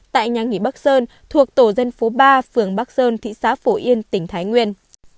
tại nhà nghỉ bắc sơn thuộc tổ dân phố ba phường bắc sơn thị xã phổ yên tỉnh thái nguyên